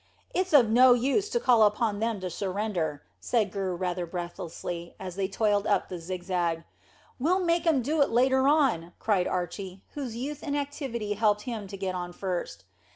"It's of no use to call upon them to surrender," said Gurr rather breathlessly, as they toiled up the zigzag. "We'll make them do it later on," cried Archy, whose youth and activity helped him to get on first.